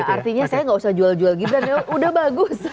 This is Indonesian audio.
artinya saya nggak usah jual jual gibran ya udah bagus